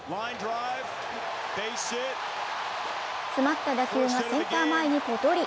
詰まった打球がセンター前にぽとり。